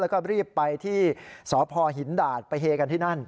แล้วก็รีบไปที่สพหินดาดไปเฮกันที่นั่น